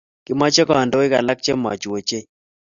Kimache kandoik alak che machuu ochei